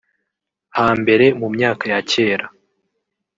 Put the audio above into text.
Hambere mu myaka ya cyera